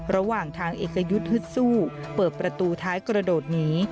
ระหว่างทางเอกยุทธ์ฮึดสู้เปิดประตูท้ายกระโดดหนี